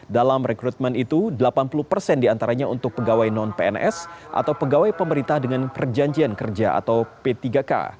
dalam rekrutmen itu delapan puluh persen diantaranya untuk pegawai non pns atau pegawai pemerintah dengan perjanjian kerja atau p tiga k